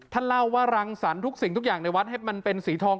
ท่านเล่าว่ารังศรรย์ทุกอย่างในวัดให้มันเป็นสีทอง